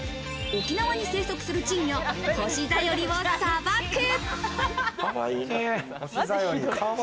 沖縄に生息する珍魚ホシザヨリをさばく。